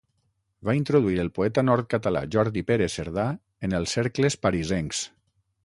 Va introduir el poeta nord-català Jordi Pere Cerdà en els cercles parisencs.